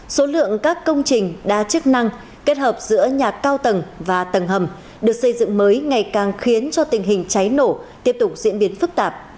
số lượng các công trình đa chức năng kết hợp giữa nhà cao tầng và tầng hầm được xây dựng mới ngày càng khiến cho tình hình cháy nổ tiếp tục diễn biến phức tạp